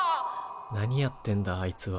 何やってんだあいつは。